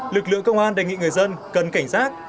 lực lượng công an đề nghị người dân cần cảnh giác